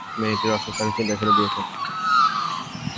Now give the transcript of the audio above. মেয়েটির অসুখ তাঁকে চিন্তায় ফেলে দিয়েছে।